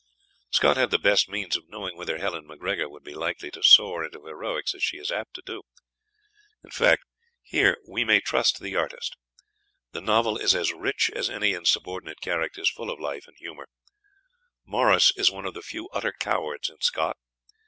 Scott had the best means of knowing whether Helen MacGregor would be likely to soar into heroics as she is apt to do. In fact, here "we may trust the artist." The novel is as rich as any in subordinate characters full of life and humour. Morris is one of the few utter cowards in Scott.